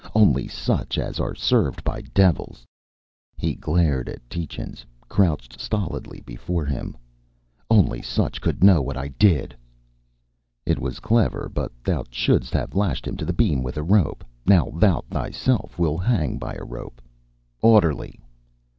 Only such as are served by devils," he glared at Tietjens, crouched stolidly before him, "only such could know what I did." "It was clever. But thou shouldst have lashed him to the beam with a rope. Now, thou thyself wilt hang by a rope. Orderly!"